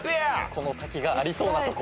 この滝がありそうなとこ。